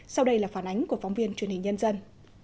sau đây là phản ánh của phóng viên truyền hình nhân dân